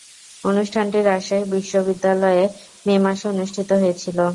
অনুষ্ঠানটি রাজশাহী বিশ্বনিদ্যালয়ে মে মাসে অনুষ্ঠিত হয়েছিলো।